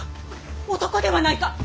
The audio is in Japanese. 男ではないか！